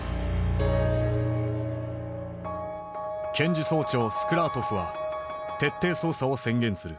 検事総長スクラートフは徹底捜査を宣言する。